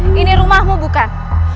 nak ini rumahmu bukan